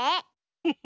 フフフ。